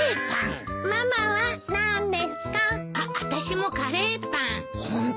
あっあたしもカレーパン。